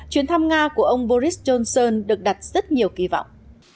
chuyến thăm nga của ông boris johnson được đặt rất nhiều kỳ vọng